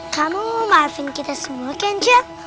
kamu mau maafin kita semua kan cep